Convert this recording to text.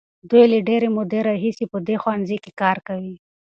دوی له ډېرې مودې راهیسې په دې ښوونځي کې کار کوي.